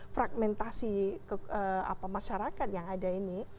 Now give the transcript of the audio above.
fragmentasi masyarakat yang ada ini